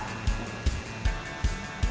angkat jalan terbit